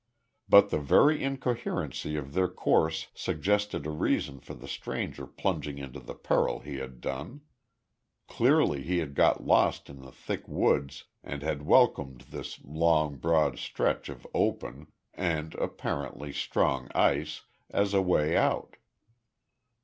But the very incoherency of their course suggested a reason for the stranger plunging into the peril he had done. Clearly he had got lost in the thick woods and had welcomed this long, broad stretch of open, and apparently strong ice, as a way out.